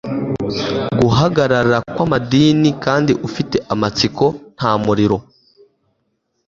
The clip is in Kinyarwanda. Guhagarara kw'amadini kandi ufite amatsiko nta muriro